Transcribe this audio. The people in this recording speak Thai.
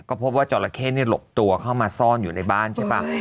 เขาพบว่าจอละเค่นี่หลบตัวเข้ามาซ่อนอยู่ในบ้านใช่เปล่า